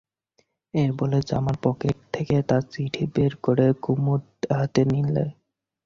এই বলে জামার পকেট থেকে তার চিঠি বের করে কুমুর হাতে দিলে।